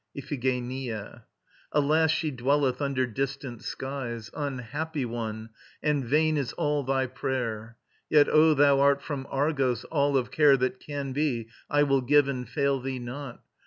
IPHIGENIA. Alas, she dwelleth under distant skies, Unhappy one, and vain is all thy prayer. Yet, Oh, them art from Argos: all of care That can be, I will give and fail thee not.